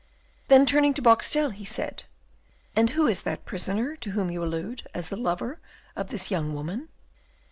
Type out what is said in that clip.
Then, turning to Boxtel, he said, "And who is that prisoner to whom you allude as the lover of this young woman?"